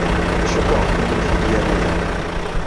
Cikkeɣ d kennemti ay igan aya.